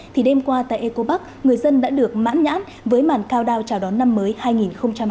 thì đêm qua tại ecopark người dân đã được mãn nhãn với màn cao đao chào đón năm mới hai nghìn hai mươi ba